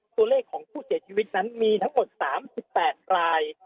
ตัวเลขของผู้เสียชีวิตนั้นมีทั้งหมด๓๘ราย